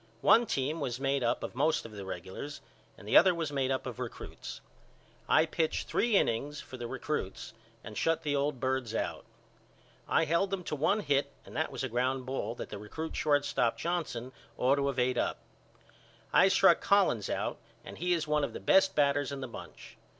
One team was made up of most of the regulars and the other was made up of recruts. I pitched three innings for the recruts and shut the old birds out. I held them to one hit and that was a ground ball that the recrut shortstop Johnson ought to of ate up. I struck Collins out and he is one of the best batters in the bunch.